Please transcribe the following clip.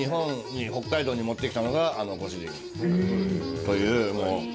北海道に持ってきたのがあのご主人という。